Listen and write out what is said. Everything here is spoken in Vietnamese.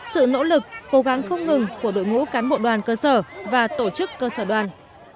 sự nỗ lực cố gắng không ngừng của đội ngũ cán bộ đoàn cơ sở và tổ chức cơ sở đoàn